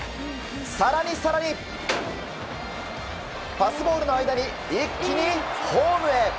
更に更にパスボールの間に一気にホームへ。